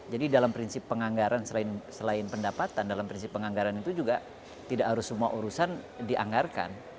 jadi dalam prinsip penganggaran selain pendapatan dalam prinsip penganggaran itu juga tidak harus semua urusan dianggarkan